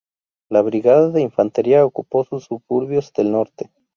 La brigada de infantería ocupó sus suburbios del norte.